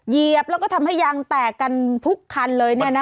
เยียบแล้วก็ทำให้ยางแตกกันทุกคันเลยเนี่ยนะคะ